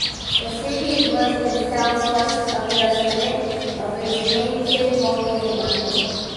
The city is less than southwest of the summit of its namesake volcano.